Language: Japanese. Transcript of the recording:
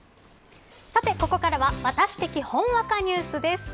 さて、ここからはワタシ的ほんわかニュースです。